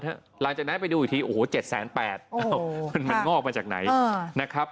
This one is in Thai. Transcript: หลังจากนั้นไปดูอีกทีโอ้โห๗๘๐๐มันงอกมาจากไหนนะครับ